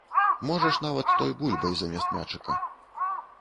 Можаш нават той бульбай замест мячыка.